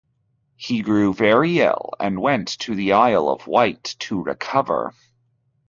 He grew very ill and went to the Isle of Wight to recover.